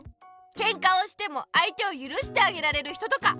ケンカをしてもあいてをゆるしてあげられる人とか。